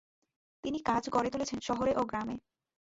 তিনি কাজ গড়ে তুলেছেন শহরে ও গ্রামে।